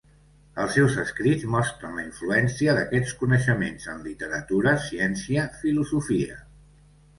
Els seus escrits mostren la influència d'aquests coneixements en literatura, ciència, filosofia.